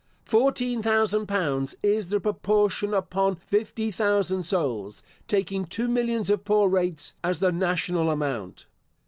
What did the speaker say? Fourteen thousand pounds is the proportion upon fifty thousand souls, taking two millions of poor rates, as the national amount.